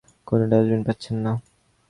কোনো ডাস্টবিন পাচ্ছেন না।